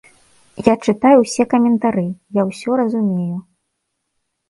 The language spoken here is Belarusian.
Я чытаю ўсе каментары, я ўсё разумею.